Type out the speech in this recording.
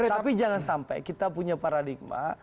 tapi jangan sampai kita punya paradigma